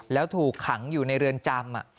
แล้วถูกขังอยู่ในเรือนจำ